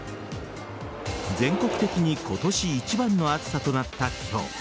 全国的に今年一番の暑さとなった今日。